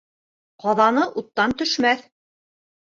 Ҡаҙаны уттан төшмәҫ.